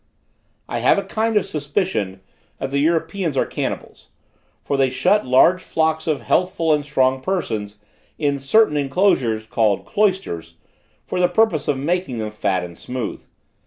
"I have a kind of suspicion that the Europeans are cannibals; for they shut large flocks of healthful and strong persons in certain inclosures, called cloisters, for the purpose of making them fat and smooth.